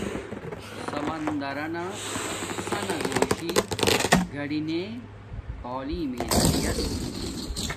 سمندرانا سنہ گھوشی گاڈی نے تعلیم میݵ زریعس